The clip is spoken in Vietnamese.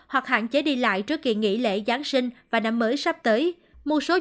hoặc hạn chế đi lại trước kỳ nghỉ lễ giáng sinh và năm mới sắp tới